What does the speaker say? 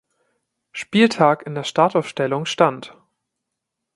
Spieltag in der Startaufstellung stand.